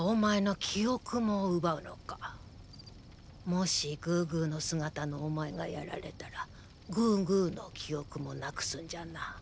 もしグーグーの姿のお前がやられたらグーグーの記憶もなくすんじゃな。